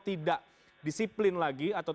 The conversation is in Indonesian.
tidak disiplin lagi atau